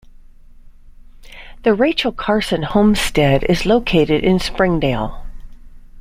The Rachel Carson Homestead is located in Springdale.